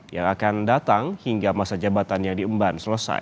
yang akan datang hingga masa jabatan yang diemban selesai